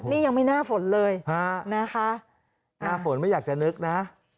นี่ยังไม่หน้าฝนเลยฮะนะคะหน้าฝนไม่อยากจะนึกนะ